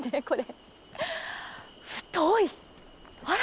あら。